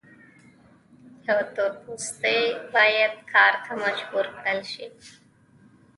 یو تور پوستی باید کار ته مجبور کړل شي.